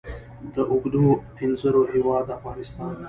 د اوږدو انځرو هیواد افغانستان.